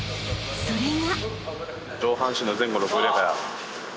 ［それが］